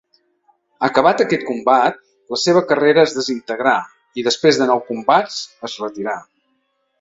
Acabat aquest combat la seva carrera es desintegrà i després de nou combats es retirà.